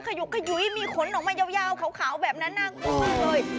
ขยุกมีขนออกมายาวเขาขาวแบบนั้นหน้ากลัวมากเลย